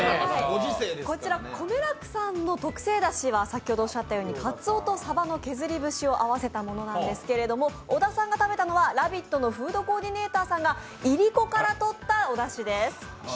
こめらくさんの特製だしはかつおとさばの削り節を合わせたものなんですけど小田さんが食べたのは「ラヴィット！」のフードコーディネーターさんがいりこからとったおだしです。